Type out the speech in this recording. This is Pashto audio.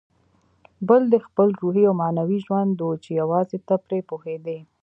بل دې خپل روحي او معنوي ژوند و چې یوازې ته پرې پوهېدې.